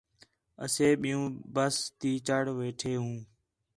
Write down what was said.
اسے بِیوں بس تی چڑھ ویٹھے ہوں